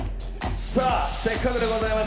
さあせっかくでございます